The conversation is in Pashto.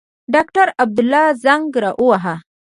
ډاکټر عبدالله زنګ را ووهه.